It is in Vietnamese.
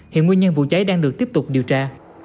hiện nguyên nhân vụ cháy đang được tiếp tục điều tra